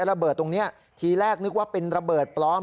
ระเบิดตรงนี้ทีแรกนึกว่าเป็นระเบิดปลอม